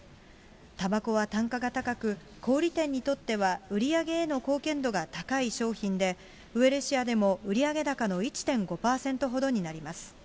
たばこは単価が高く、小売り店にとっては売り上げへの貢献度が高い商品で、ウエルシアでも売上高の１．５％ほどになります。